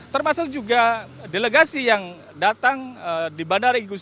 termasuk juga delegasi yang datang di bandar inggris